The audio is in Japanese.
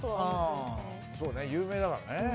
そうね有名だからね。